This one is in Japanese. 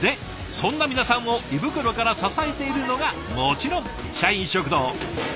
そんな皆さんを胃袋から支えているのがもちろん社員食堂。